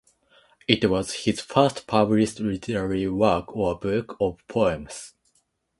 It was his first published literary work or book of poems.